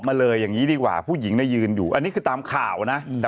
มาเลยอย่างนี้ดีกว่าผู้หญิงยืนอยู่อันนี้คือตามข่าวนะ